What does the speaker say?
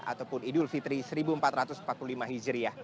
ataupun idul fitri seribu empat ratus empat puluh lima hijriah